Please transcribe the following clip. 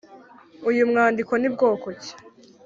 Uyu mwandiko ni bwoko ki?